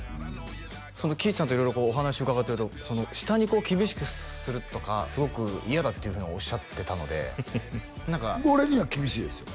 その貴一さんと色々こうお話伺ってると下にこう厳しくするとかすごく嫌だっていうふうにおっしゃってたので俺には厳しいですよ